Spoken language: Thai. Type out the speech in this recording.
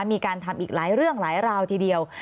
มีการทำอีกหลายเรื่องหลายราวทีเดียว